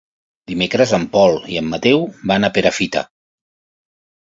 Dimecres en Pol i en Mateu van a Perafita.